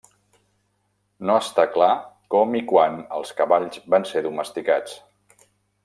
No està clar com i quan els cavalls van ser domesticats.